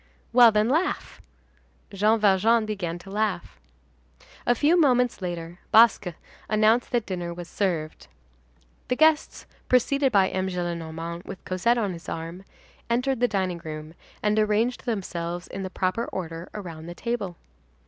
"Well, then, laugh." Jean Valjean began to laugh. A few moments later, Basque announced that dinner was served. The guests, preceded by M. Gillenormand with Cosette on his arm, entered the dining room, and arranged themselves in the proper order around the table.